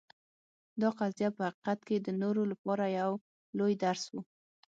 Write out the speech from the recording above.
دا قضیه په حقیقت کې د نورو لپاره یو لوی درس و.